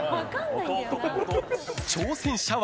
挑戦者は。